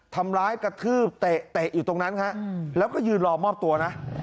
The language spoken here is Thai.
ทำร้ายกระทืบเตะอยู่ตรงนั้นฮะแล้วก็ยืนรอมอบตัวนะ